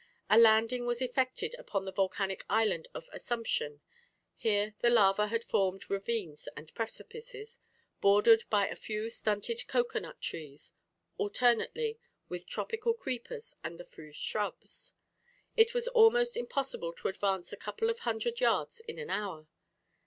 A landing was effected upon the volcanic island of Assumption. Here the lava had formed ravines and precipices, bordered by a few stunted cocoa nut trees, alternately with tropical creepers and a few shrubs. It was almost impossible to advance a couple of hundred yards in an hour.